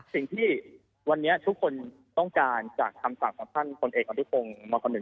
สิ่งที่วันนี้ทุกคนต้องการจากคำสั่งของท่านคนเอกอาทิตย์โครงมคหนึ่ง